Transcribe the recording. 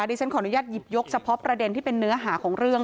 ดิฉันขออนุญาตหยิบยกเฉพาะประเด็นที่เป็นเนื้อหาของเรื่อง